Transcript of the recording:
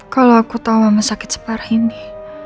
kalau aku tahu mama sakit separah ini